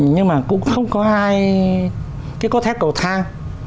nhưng mà cũng không có ai cái cốt thép cầu thang